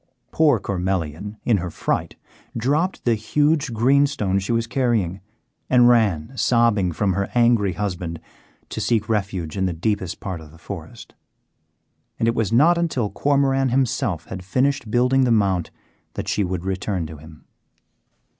Poor Cormelian, in her fright, dropped the huge greenstone she was carrying, and ran sobbing from her angry husband to seek refuge in the deepest part of the forest; and it was not until Cormoran himself had finished building the Mount that she would return to him.